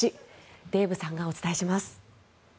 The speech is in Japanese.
デーブさんがお伝えします。